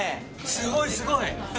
すごいすごい。